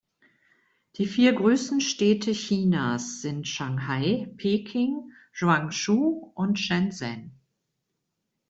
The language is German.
Die vier größten Städte Chinas sind Shanghai, Peking, Guangzhou und Shenzhen.